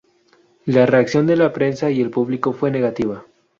La reacción de la prensa y el público fue negativa.